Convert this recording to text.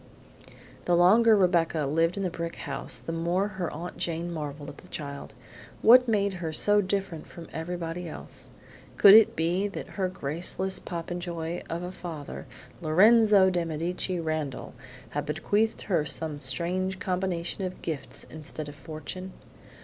The longer Rebecca lived in the brick house the more her Aunt Jane marveled at the child. What made her so different from everybody else. Could it be that her graceless popinjay of a father, Lorenzo de Medici Randall, had bequeathed her some strange combination of gifts instead of fortune?